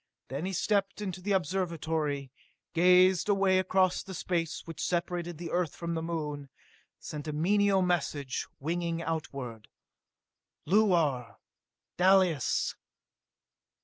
Then he stepped into the Observatory, gazed away across the space which separated the Earth from the Moon, sent a mental message winging outward. "Luar! Dalis!"